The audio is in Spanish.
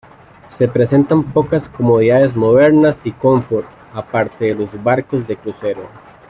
Se presentan pocas comodidades modernas y confort, aparte de los barcos de crucero.